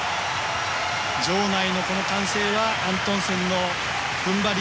場内の歓声はアントンセンの踏ん張り。